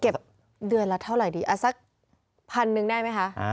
เดือนละเท่าไหร่ดีสักพันหนึ่งได้ไหมคะ